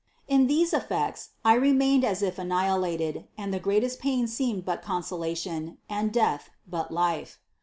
In these affects I remained as if annihilated, and the greatest pain seemed but consolation, and death, but life.